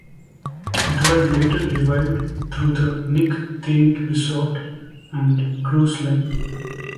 It was later revived through the Nick-themed resort and cruise line.